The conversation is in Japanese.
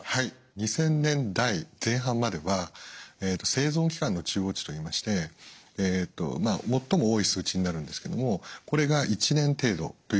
２０００年代前半までは生存期間の中央値といいまして最も多い数値になるんですけどもこれが１年程度ということでした。